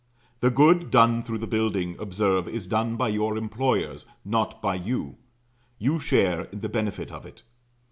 The good done through the building, observe, is done by your employers, not by you you share in the benefit of it.